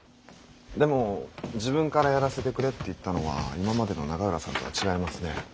でも自分からやらせてくれって言ったのは今までの永浦さんとは違いますね。